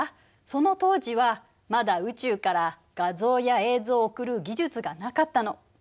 その当時はまだ宇宙から画像や映像を送る技術がなかったの。